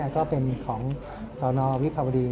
ดูเป็นของตรวิภาพดี